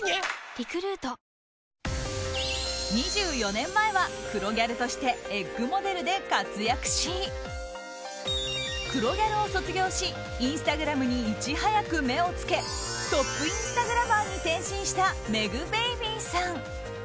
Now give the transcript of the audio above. ２４年前は黒ギャルとして「ｅｇｇ」モデルで活躍し黒ギャルを卒業しインスタグラムにいち早く目をつけトップインスタグラマーに転身したｍｅｇｂａｂｙさん。